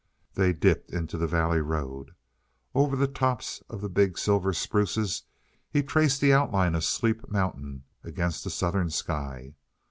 They dipped into the valley road. Over the tops of the big silver spruces he traced the outline of Sleep Mountain against the southern sky.